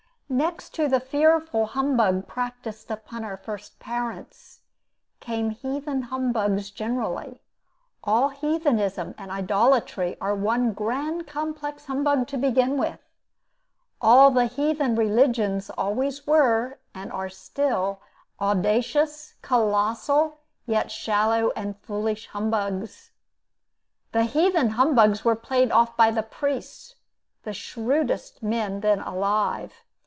Next to the fearful humbug practiced upon our first parents, came heathen humbugs generally. All heathenism and idolatry are one grand complex humbug to begin with. All the heathen religions always were, and are still, audacious, colossal, yet shallow and foolish, humbugs. The heathen humbugs were played off by the priests, the shrewdest men then alive.